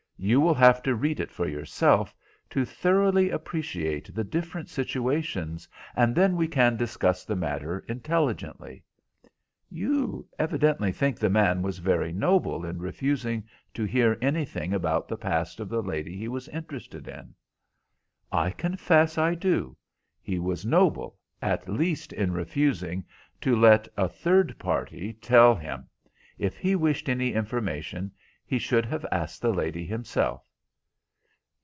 You will have to read it for yourself to thoroughly appreciate the different situations, and then we can discuss the matter intelligently." "You evidently think the man was very noble in refusing to hear anything about the past of the lady he was interested in." "I confess I do. He was noble, at least, in refusing to let a third party tell him. If he wished any information he should have asked the lady himself."